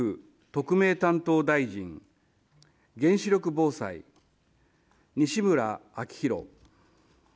特命担当大臣、原子力防災、西村明宏。